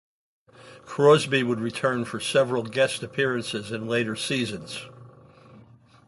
Crosby would return for several guest appearances in later seasons.